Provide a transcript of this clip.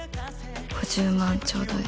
「５０万ちょうだい。